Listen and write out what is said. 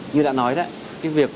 như đã nói đó cái việc